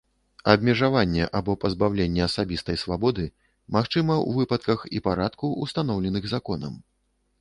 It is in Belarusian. Абмежаванне або пазбаўленне асабістай свабоды магчыма ў выпадках і парадку, устаноўленых законам.